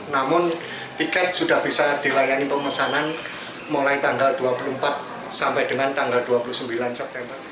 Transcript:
namun tiket sudah bisa dilayani pemesanan mulai tanggal dua puluh empat sampai dengan tanggal dua puluh sembilan september